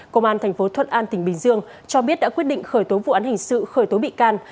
công an tp thuận an tỉnh bình dương cho biết đã quyết định khởi tố vụ án hình sự khởi tố bị can